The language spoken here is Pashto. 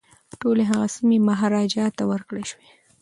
ټولي هغه سیمي مهاراجا ته ورکړل شوې.